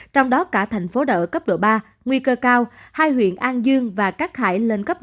trong đó cả thành phố đợi cấp độ ba nguy cơ cao hai huyện an dương và cát hải